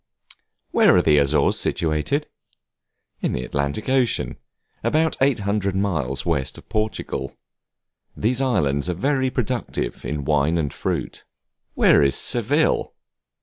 Where are the Azores situated? In the Atlantic Ocean, about 800 miles west of Portugal. These islands are very productive in wine and fruits. Where is Seville?